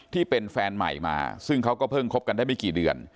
ที่เป็นแฟนใหม่มาซึ่งเขาก็เพิ่งคบกันได้ไม่กี่เดือน